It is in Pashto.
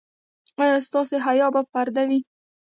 ایا ستاسو حیا به پرده وي؟